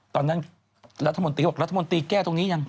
ตอนนั้นรัฐมนตรีก็บอกรัฐมนตรีแก้ตรงนี้ยัง